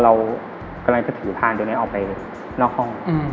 พอเรากำลังถือทางตัวเนี้ยออกไปนอกห้อง